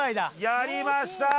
やりました！